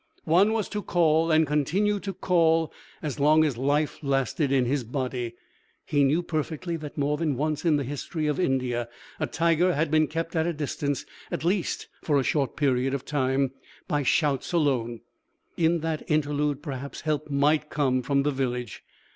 One was to call and continue to call, as long as life lasted in his body. He knew perfectly that more than once in the history of India a tiger had been kept at a distance, at least for a short period of time, by shouts alone. In that interlude, perhaps help might come from the village.